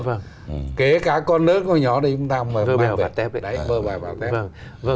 thế cá con lớn con nhỏ đi chúng ta mới bảo vệ